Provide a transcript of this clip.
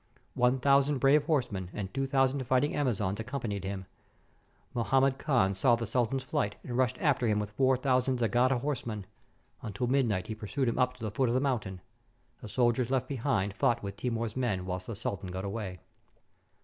One thou sand brave horsemen and two thousand fighting Ama zons accompanied them. Mahmud Khan saw the sul tan's flight, and rushed after him with four thousand Dzsagata horsemen. Until midnight he pursued him up to the foot of the mountain. The soldiers left behind fought with Timur's men whilst the sultan got away.